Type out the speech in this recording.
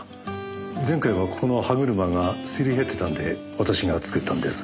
前回はここの歯車が擦り減ってたんで私が作ったんです。